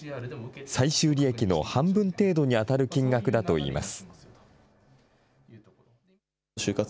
最終利益の半分程度に当たる金額だといいます。